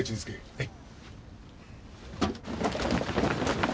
はい。